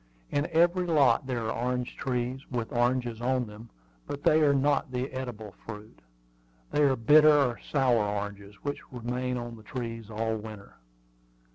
In every lot there are orange trees, with oranges on them; but they are not the eatable fruit. They are bitter or sour oranges, which remain on the trees all winter.